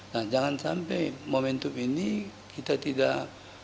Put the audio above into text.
nah jangan sampai momentum ini kita tidak